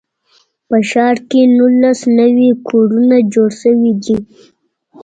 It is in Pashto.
په ښار کې نولس نوي کورونه جوړ شوي دي.